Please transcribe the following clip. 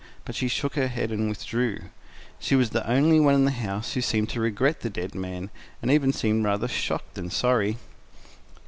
But she shook her head and withdrew: she was the only one in the house who seemed to regret the dead man, and even she seemed rather shocked than sorry.